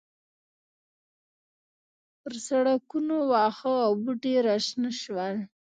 پر سړکونو واښه او بوټي راشنه شول